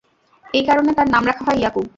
এই কারণে তার নাম রাখা হয় ইয়াকূব।